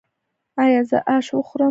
ایا زه اش وخورم؟